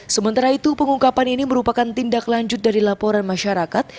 sementara itu pengungkapan ini merupakan tindak lanjut dari laporan masyarakat